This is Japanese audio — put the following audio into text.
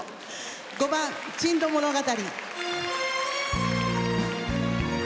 ５番「珍島物語」。